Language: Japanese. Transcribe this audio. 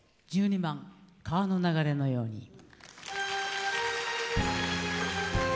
１２番「川の流れのように」。